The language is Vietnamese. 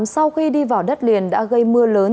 sau khi đi vào đất liền đã gây mưa lớn